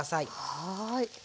はい。